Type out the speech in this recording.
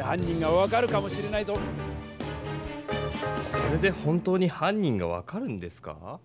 これで本当に犯人が分かるんですか？